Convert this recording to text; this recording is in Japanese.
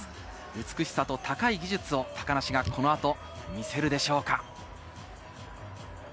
美しさと高い技術を高梨がこの後、見せるでしょうか？